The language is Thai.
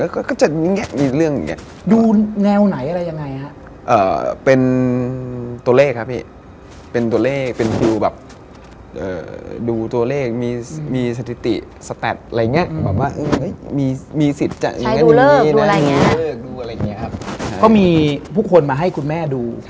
ก็คล้ายกันคือคุณแม่